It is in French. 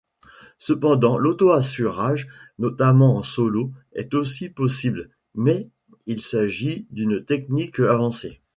Cependant l'auto-assurage, notamment en solo, est aussi possible, mais il s'agit d'une technique avancée.